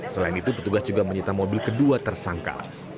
selain itu petugas juga menyita mobil kedua tersangka